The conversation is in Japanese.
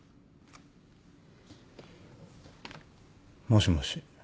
もしもし。